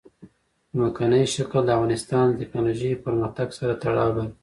ځمکنی شکل د افغانستان د تکنالوژۍ پرمختګ سره تړاو لري.